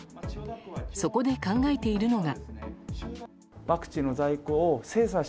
そこで考えているのが。